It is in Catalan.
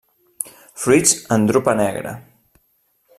Fruits en drupa negra.